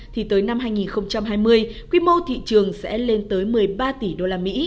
thì tới năm hai nghìn hai mươi quy mô thị trường sẽ lên tới một mươi ba tỷ usd